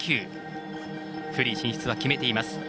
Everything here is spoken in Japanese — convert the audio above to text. フリー進出は決めています。